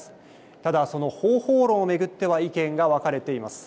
ただ、その方法論を巡っては意見が分かれています。